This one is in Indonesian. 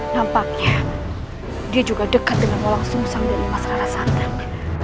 nampaknya dia juga dekat dengan orang sungsang dari mas rara santan